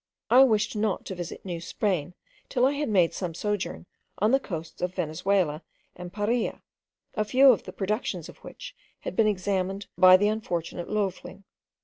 I wished not to visit New Spain, till I had made some sojourn on the coasts of Venezuela and Paria; a few of the productions of which had been examined by the unfortunate Loefling.